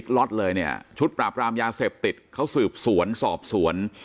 ล็อตเลยเนี่ยชุดปราบรามยาเสพติดเขาสืบสวนสอบสวน